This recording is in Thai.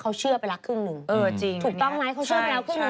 เขาเชื่อไปละครึ่งหนึ่งเออจริงถูกต้องไหมเขาเชื่อไปแล้วครึ่งหนึ่ง